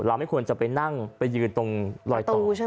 เราไม่ควรจะไปนั่งไปยืนตรงรอยต่อ